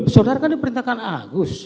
saudara kan diperintahkan agus